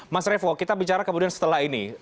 mas revo kita bicara kemudian setelah ini